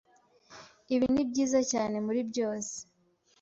Ibi nibyiza cyane muribyose.